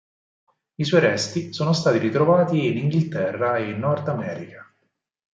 I suoi resti sono stati ritrovati in Inghilterra e in Nordamerica.